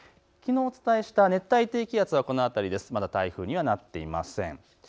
きのうお伝えした熱帯低気圧はこの辺りですから台風にはなっていません。